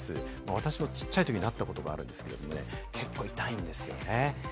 私も小さいときになったことがあるんですけれども、結構痛いんですよね。